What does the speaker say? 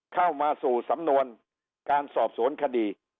เข้ามาสู่สำนวนการสอบสวนคดี